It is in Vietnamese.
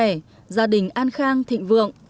chúc bà con mạnh khỏe gia đình an khang thịnh vượng